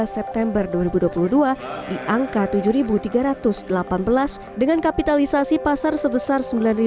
september dua ribu dua puluh dua diangkat tujuh tiga ratus delapan belas dengan kapitalisasi pasar sebesar